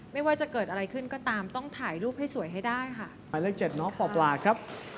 ไม่ว่าจะเกิดอะไรขึ้นก็ตามต้องถ่ายรูปให้สวยให้ได้ค่ะ